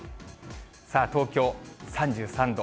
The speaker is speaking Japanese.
さあ、東京３３度。